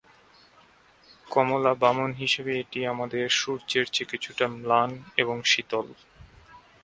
কমলা বামন হিসাবে এটি আমাদের সূর্যের চেয়ে কিছুটা ম্লান এবং শীতল।